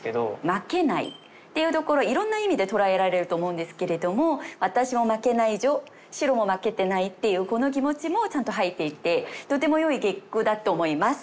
「負けない」っていうところいろんな意味で捉えられると思うんですけれども私も負けないぞ白も負けてないっていうこの気持ちもちゃんと入っていてとてもよい結句だと思います。